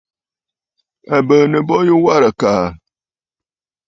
À lɛ biinə bo yu warə̀ àkàà.